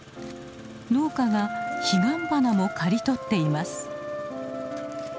農家がヒガンバナも刈り取っています。